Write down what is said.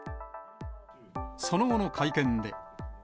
その後の会見で。